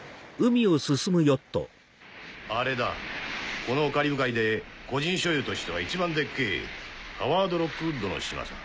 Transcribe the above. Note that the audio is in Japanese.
あれだこのカリブ海で個人所有としては一番でっけぇハワード・ロックウッドの島さ。